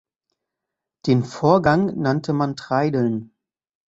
Den Vorgang nannte man treideln.